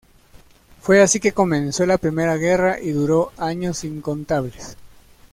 Fue así que comenzó la primera guerra y duró años incontables.